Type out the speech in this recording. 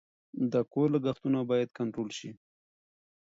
د کور لګښتونه باید کنټرول شي.